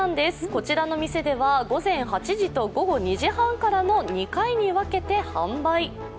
こちらの店では午前８時と午後２時半からの２回に分けて販売。